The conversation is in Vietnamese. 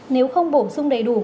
nếu không bổ sung đầy đủ